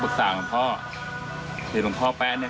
หรือต่างหางคิดคณพ่อแป๊ะให้ไว้ตามตรงนี้